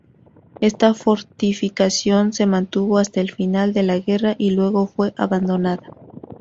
Esta fortificación se mantuvo hasta el final de la guerra y luego fue abandonada.